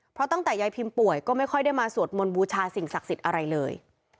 เพราะตั้งแต่ยายพิมป่วยก็ไม่ค่อยได้มาสวดมนต์บูชาสิ่งศักดิ์สิทธิ์อะไรเลย